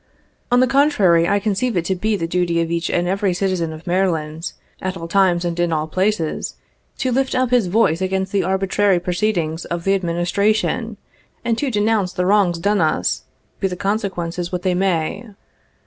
On the contrary, I conceive it to be the duty of each and every citizen of Maryland, at all times and in all places, to lift up his voice against the arbitrary proceedings of the Administration, and to denounce the wrongs done us, be the consequences what they may.